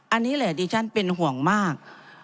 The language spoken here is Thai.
อันนี้แหละดิฉันเป็นห่วงมาก